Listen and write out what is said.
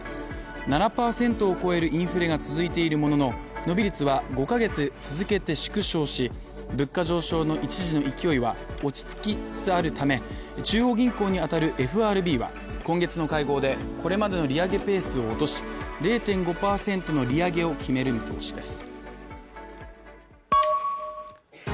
７％を超えるインフレが続いているものの伸び率は５か月続けて縮小し、物価上昇の一時の勢いは落ち着きつつあるため中央銀行に当たるＦＲＢは今月の会合でこれまでの利上げペースを落とし０．５％の利上げを決める見通しです。